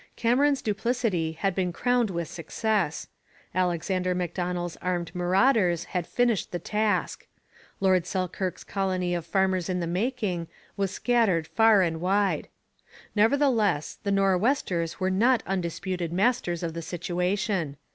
Cameron's duplicity had been crowned with success; Alexander Macdonell's armed marauders had finished the task; Lord Selkirk's colony of farmers in the making was scattered far and wide. Nevertheless, the Nor'westers were not undisputed masters of the situation.